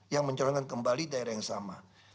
yang mencolongkan kembali daerah yang sama